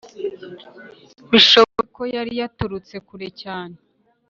bishoboke ko yari yaturutse kure cyane!